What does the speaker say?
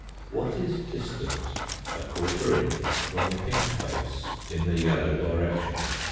What is distant a quarter inch from the pink face in the yellow direction